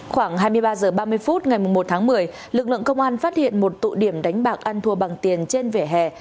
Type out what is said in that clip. khoảng hai mươi ba h ba mươi phút ngày một tháng một mươi lực lượng công an phát hiện một tụ điểm đánh bạc ăn thua bằng tiền trên vẻ hè